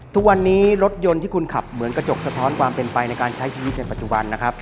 ทุกวันนี้รถยนต์ที่คุณขับเหมือนกระจกสะท้อนความเป็นไปในการใช้ชีวิตในปัจจุบันนะครับ